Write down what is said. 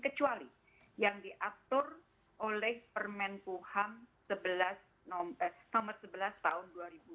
kecuali yang diatur oleh permen kuham nomor sebelas tahun dua ribu dua puluh